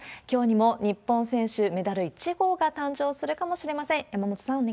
きょうにも日本選手メダル１号が誕生するかもしれません。